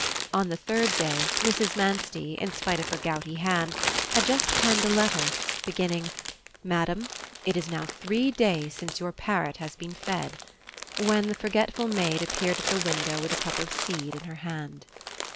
On the third day, Mrs. Manstey, in spite of her gouty hand, had just penned a letter, beginning: "Madam, it is now three days since your parrot has been fed," when the forgetful maid appeared at the window with a cup of seed in her hand.